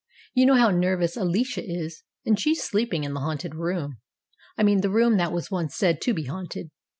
You know how nervous Alicia is, and she's sleeping in the haunted room I mean the room that was once said to be haunted."